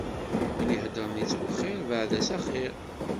Win ihedṛen ittwexxiṛ, bɛed-as axiṛ!